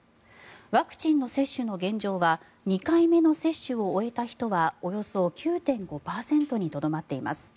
ワクチンの接種の現状は２回目の接種を終えた人はおよそ９．５％にとどまっています。